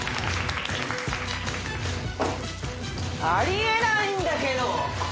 あり得ないんだけど！